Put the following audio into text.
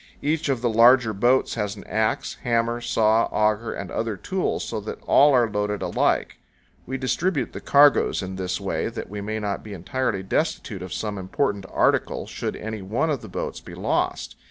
Each of the larger boats has an axe, hammer, saw, auger, and other tools, so that all are loaded alike. We distribute the cargoes in this way that we may not be entirely destitute of some important article should any one of the boats be lost.